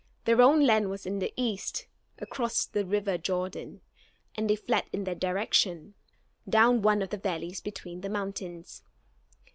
Their own land was in the east, across the river Jordan, and they fled in that direction, down one of the valleys between the mountains.